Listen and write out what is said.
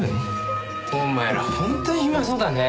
お前ら本当に暇そうだね。